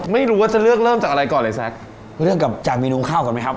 ไม่รู้ว่าจะเลือกเริ่มจากอะไรก่อนเลยแซคเลือกกับจากเมนูข้าวก่อนไหมครับ